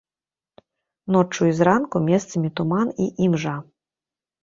Ноччу і зранку месцамі туман і імжа.